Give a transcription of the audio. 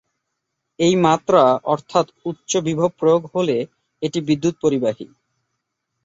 এই মাত্রা অর্থাৎ উচ্চ বিভব প্রয়োগ হলে এটি বিদ্যুৎ পরিবাহী।